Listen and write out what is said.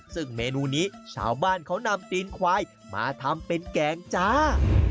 ซึ่งเมนูนี้ชาวบ้านเขานำตีนควายมาทำเป็นแกงจ้า